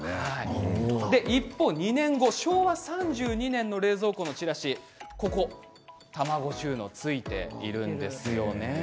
一方、２年後、昭和３２年の冷蔵庫のチラシ卵収納が付いているんですよね。